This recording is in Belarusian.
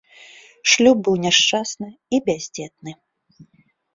Шлюб быў няшчасны і бяздзетны.